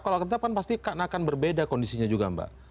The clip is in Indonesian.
kalau tetap kan pasti akan berbeda kondisinya juga mbak